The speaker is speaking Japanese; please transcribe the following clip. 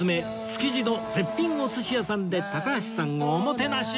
築地の絶品お寿司屋さんで高橋さんをおもてなし